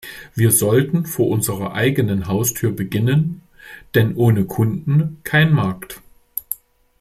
Wir sollten vor unserer eigenen Haustür beginnen, denn ohne Kunden kein Markt.